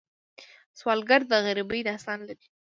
سوالګر د غریبۍ داستان لري